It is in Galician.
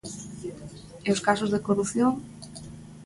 E os casos de corrupción?